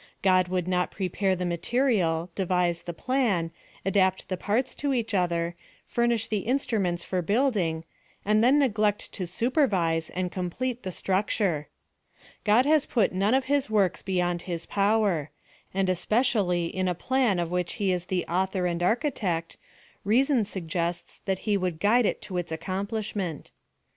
God would not prepare the material, devise the plan, adapt the parts to each other, furnish the instruments for building, and then neglect to supervise and com plete the structure. God has put none of his works beyond his power ; and especially in a plan of which he is the author and architect, reason sug gests that he would guide it to its accomplishment.